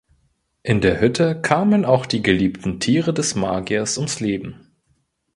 In der Hütte kamen auch die geliebten Tiere des Magiers ums Leben.